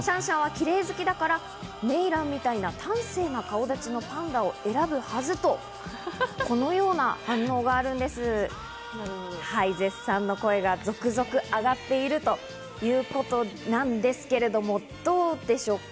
シャンシャンはキレイ好きだから、メイランみたいな端正な顔立ちのパンダを選ぶはずと、このような内容があるんです、絶賛の声が続々あがっているということなんですけれども、どうでしょう？